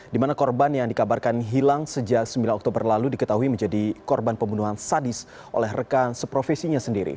di mana korban yang dikabarkan hilang sejak sembilan oktober lalu diketahui menjadi korban pembunuhan sadis oleh rekan seprofesinya sendiri